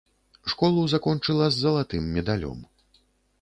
Школу закончыла з залатым медалём.